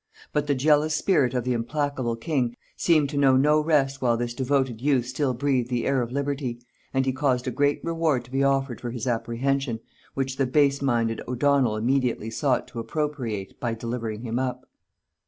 But the jealous spirit of the implacable king seemed to know no rest while this devoted youth still breathed the air of liberty, and he caused a great reward to be offered for his apprehension, which the base minded O'Donnel immediately sought to appropriate by delivering him up.